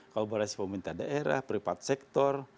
kolaborasi pemerintah daerah private sector